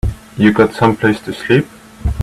You got someplace to sleep?